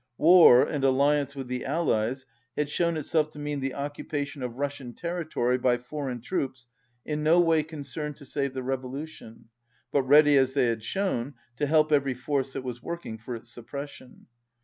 "War and Alliance with the Allies" had shown itself to mean the occupation of Russian territory by foreign firoops in no way concerned to save the revolution, but rea^y, as they had shown, to help every force that was working for its suppression.